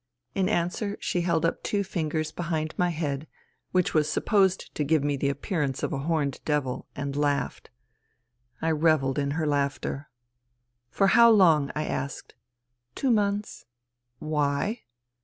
In answer she held up two fingers behind my head which was supposed to give me the appear ance of a horned devil, and laughed. I revelled in her laughter. " For how long ?" I asked. " Two months." " Why